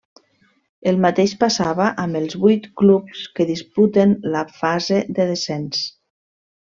El mateix passava amb els vuit clubs que disputen la fase de descens.